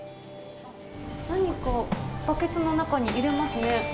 何かバケツの中に入れますね。